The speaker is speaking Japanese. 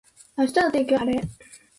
明日の天気は晴れ